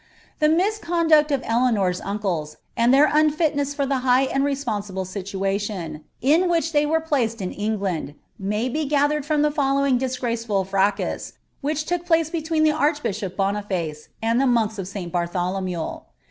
a mtMeonduct of Rleaiior's ancles, uid their unfitHMs for ihs high poRsible aitnalion, in which ihey were placed in England, may IhCTcd from the following disgraceful fracas, which look place be ■ itie archbishop Bonifaee and the monks of St. Bartholomew